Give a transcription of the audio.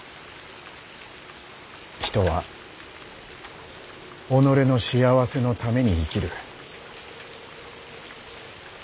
人は己の幸せのために生きる。